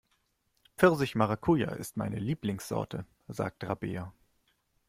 Pfirsich-Maracuja ist meine Lieblingssorte, sagt Rabea.